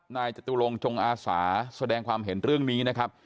จตุลงจงอาสาแสดงความเห็นเรื่องนี้นะครับ